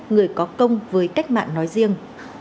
người có công với cách mạng nói riêng